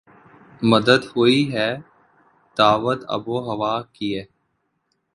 مدت ہوئی ہے دعوت آب و ہوا کیے